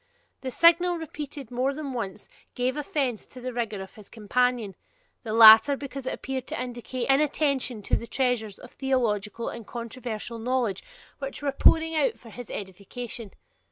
This signal, repeated more than once, gave offence to the rigour of his companion, the rather because it appeared to indicate inattention to the treasures of theological and controversial knowledge which were pouring out for his edification.